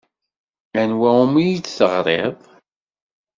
Anwa umi d-teɣriḍ?